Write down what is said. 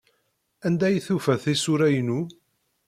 Anda ay tufa tisura-inu?